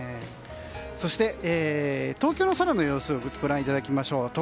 そして、東京の空の様子をご覧いただきましょう。